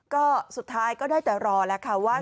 ก็สุดท้ายก็ได้แต่รอแล้วค่ะว่า